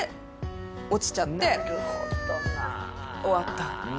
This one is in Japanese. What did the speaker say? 「終わった」。